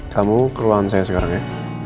kamu keruan saya sekarang ya